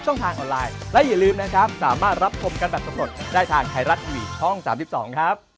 สวัสดีครับสวัสดีครับ